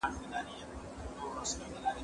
زه به خبري کړي وي!!